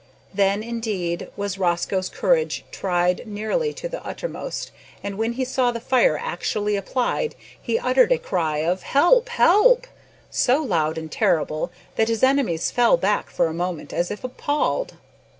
Then, indeed, was Rosco's courage tried nearly to the uttermost and when he saw the fire actually applied, he uttered a cry of "Help! help!" so loud and terrible that his enemies fell back for a moment as if appalled.